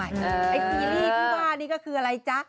ไอพลอยนี่ก็คืออะไรป่ะจ้ะ